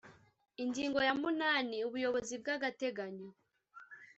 ingingo ya munani ubuyobozi bw’agateganyo